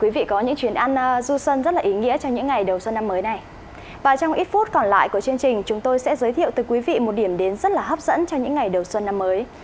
quý vị có những chuyến ăn du sân rất là ý nghĩa trong những ngày đầu xuân năm mới này và trong ít phút còn lại của chương trình chúng tôi sẽ giới thiệu từ quý vị một điểm đến rất là hấp dẫn cho những ngày đầu xuân năm mới